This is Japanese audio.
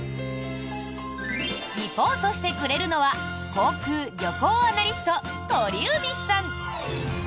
リポートしてくれるのは航空・旅行アナリスト鳥海さん。